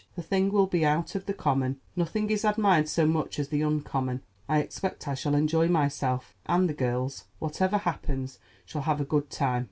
The thing will be out of the common; nothing is admired so much as the uncommon. I expect I shall enjoy myself; and the girls, whatever happens, shall have a good time.